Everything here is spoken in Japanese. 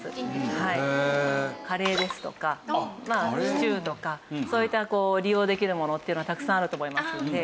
カレーですとかシチューとかそういった利用できるものっていうのはたくさんあると思いますので。